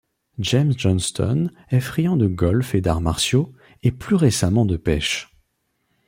James Johnston est friand de golf et d'arts martiaux, et plus récemment de pêche.